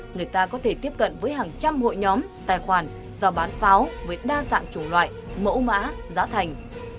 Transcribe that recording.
người ta có thể tiếp cận với hàng trăm hội nhóm tài khoản do bán pháo với đa dạng chủng loại mẫu mã giá thành